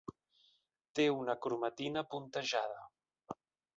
Té una cromatina puntejada.